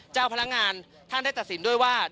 เจ้าพนักงานท่านได้ตัดสินด้วยว่า